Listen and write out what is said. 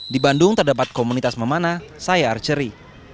di bandung terdapat komunitas memana saya arceri